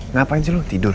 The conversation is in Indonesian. ngapain sih lo tidur